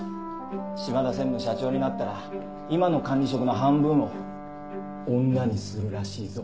島田専務社長になったら今の管理職の半分を女にするらしいぞ。